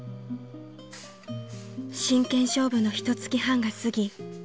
［真剣勝負のひとつき半が過ぎ